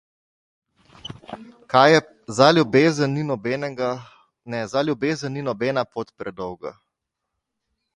Za ljubezen ni nobena pot predolga.